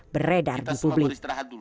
beredar di publik